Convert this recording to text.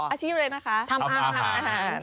อาชีพอะไรนะคะทำอาหาร